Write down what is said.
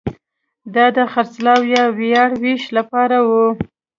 دا د خرڅلاو یا وړیا وېش لپاره وو